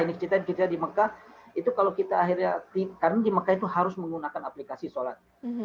ini kita di mekah itu kalau kita akhirnya karena di mekah itu harus menggunakan aplikasi sholat